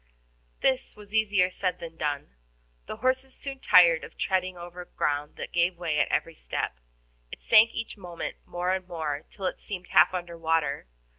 This was easier said than done. The horses soon tired of treading over ground that gave way at every step. It sank each moment more and more, till it seemed half under water.